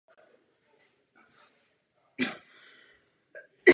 Oproti tomu vozy Peugeot užívaly méně kvalitní pneumatiky značky Dunlop.